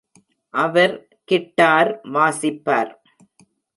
Our guitar வாசிப்பார்.